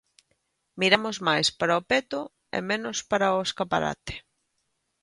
Miramos máis para o peto e menos para o escaparate...